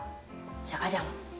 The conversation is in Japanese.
ジャカジャン。